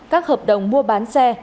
các hợp đồng mua bán xe